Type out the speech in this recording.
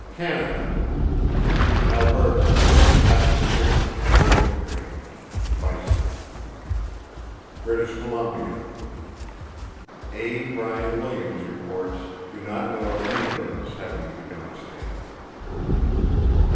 CANADA Alberta: Passenger pigeon, whooping crane; bison. British Columbia: A. Bryan Williams reports: "Do not know of any birds having become extinct."